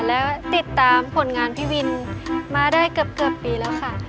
และติดตามผลงานพี่วินมาได้เกือบปีแล้วค่ะ